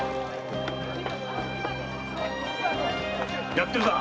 やってるな！